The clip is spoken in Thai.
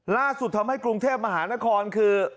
ล่าสุดทำให้กรุงเทพมหานครคือ